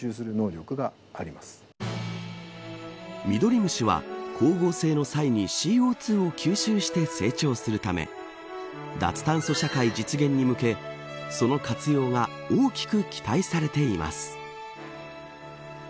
ミドリムシは光合成の際にＣＯ２を吸収して成長するため脱炭素社会実現に向けその活用が大きく期待されています。